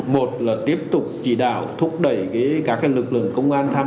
một là tiếp tục chỉ đạo thúc đẩy các lực lượng công an huyện nam trà my